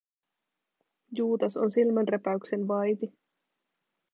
Juutas on silmänräpäyksen vaiti.